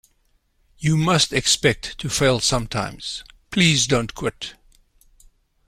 You must expect to fail sometimes; please don't quit.